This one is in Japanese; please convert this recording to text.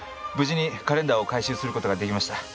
無事にカレンダーを回収する事ができました。